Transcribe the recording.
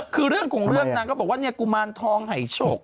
คือเรื่องของเรื่องนางก็บอกว่าเนี่ยกุมารทองไห่ก